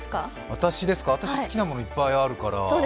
私、好きなものいっぱいあるから。